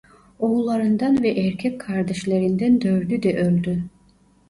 Oğullarından ve erkek kardeşlerinden dördü de öldü.